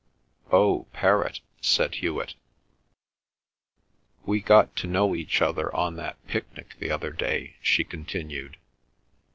"Oh, Perrott," said Hewet. "We got to know each other on that picnic the other day," she continued.